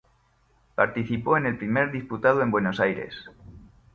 Participó en el primer disputado en Buenos Aires.